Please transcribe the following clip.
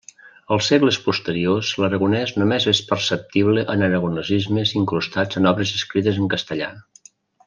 Als segles posteriors l'aragonès només és perceptible en aragonesismes incrustats en obres escrites en castellà.